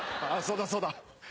あそうだそうだ！